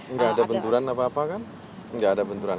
enggak ada benturan apa apa kan enggak ada benturan